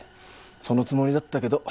そのつもりだったけど。